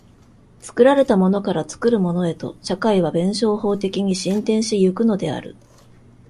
作られたものから作るものへと、社会は弁証法的に進展し行くのである。